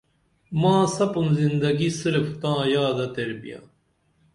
ما سپون زندگی صرف تاں یادہ تیر بیاں